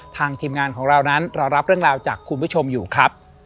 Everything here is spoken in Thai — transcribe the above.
ทีมงานของเรานั้นเรารับเรื่องราวจากคุณผู้ชมอยู่ครับ